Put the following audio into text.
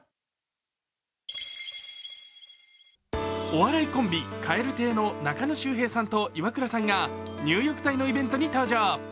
お笑いコンビ、蛙亭の中野周平さんとイワクラさんが入浴剤のイベントに登場。